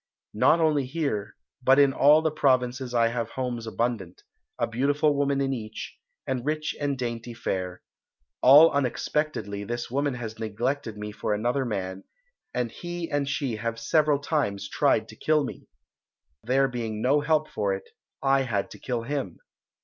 Not only here but in all the provinces I have homes abundant, a beautiful woman in each, and rich and dainty fare. All unexpectedly this woman has neglected me for another man, and he and she have several times tried to kill me. There being no help for it, I had to kill him.